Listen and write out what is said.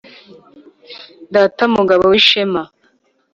data mugabo w’ishema